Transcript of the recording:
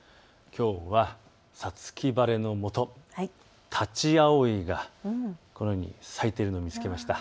きょうは五月晴れのもと、タチアオイがこのように咲いているのを見つけました。